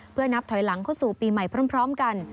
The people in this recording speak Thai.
เพื่อนับถอยหลังเข้าสู่ปีใหม่พร้อมกัน